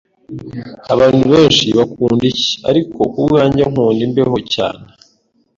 Abantu benshi bakunda icyi, ariko kubwanjye, nkunda imbeho cyane.